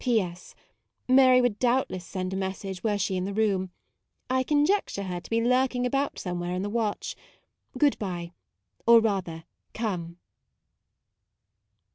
P.S. Mary would doubtless send MAUDE 85 a message were she in the room; I conjecture her to be lurking about somewhere on the watch. Good bye : or rather, come.